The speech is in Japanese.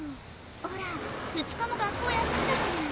ほら２日も学校休んだじゃない。